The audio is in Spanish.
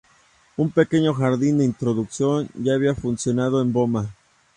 Un pequeño jardín de introducción ya había funcionado en Boma.